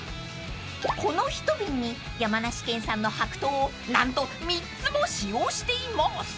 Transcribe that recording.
［この１瓶に山梨県産の白桃を何と３つも使用しています］